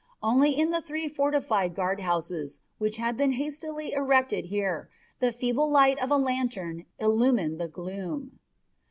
Only in the three fortified guardhouses, which had been hastily erected here, the feeble light of a lantern illumined the gloom.